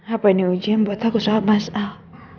apa ini ujian buat aku sahabat masal